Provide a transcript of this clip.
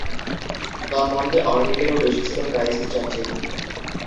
তন্মধ্যে, অর্ধেকেরও বেশি ছিল ক্রাইস্টচার্চে।